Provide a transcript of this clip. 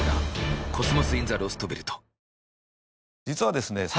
実はですね